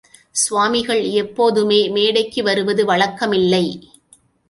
சுவாமிகள் எப்போதுமே மேடைக்கு வருவது வழக்கமில்லை.